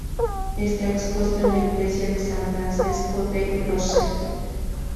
Está expuesto en la iglesia de San Francesco de Grosseto.